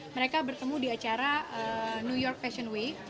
mereka bertemu di acara new york fashion week